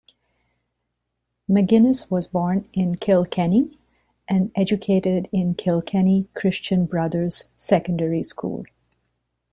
McGuinness was born in Kilkenny and educated in Kilkenny Christian Brothers Secondary School.